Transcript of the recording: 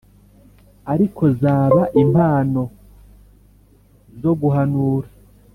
Ariko zaba impano zo guhanura